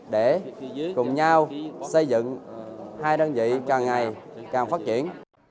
để cùng nhau xây dựng hai đơn vị càng ngày càng phát triển